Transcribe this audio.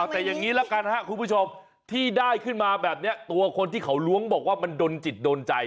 แต่อย่างนี้ละกันครับคุณผู้ชมที่ได้ขึ้นมาแบบนี้ตัวคนที่เขาล้วงบอกว่ามันโดนจิตโดนใจ